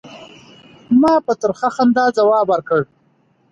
ما په ترخه خندا ځواب ورکړ.